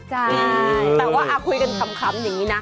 ใช่